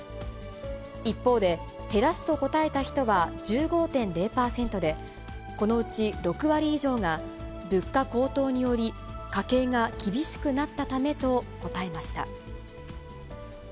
一方で、減らすと答えた人は１５．０％で、このうち６割以上が、物価高騰により、家計が厳しくなったためと答えました。